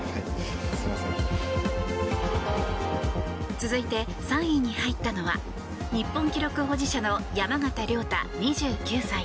続いて３位に入ったのは日本記録保持者の山縣亮太２９歳。